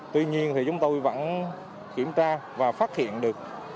tuy nhiên thì chúng tôi vẫn kiểm tra và phát hiện được